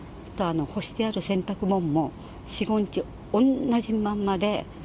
干してある洗濯もんも、４、５日、同じまんまで。